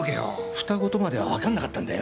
双子とまではわかんなかったんだよ！